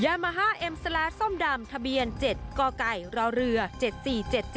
ยามาฮาเอ็มซาลาส้มดำทะเบียน๗กรเรือ๗๔๗๗กรุงเทพมหานคร